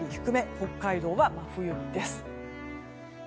北海道は真冬日です。